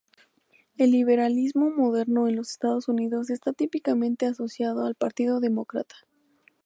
El liberalismo moderno en los Estados Unidos está típicamente asociado al Partido Demócrata.